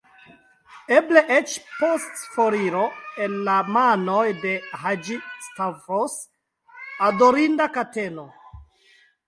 Eble eĉ, post foriro el la manoj de Haĝi-Stavros, adorinda kateno!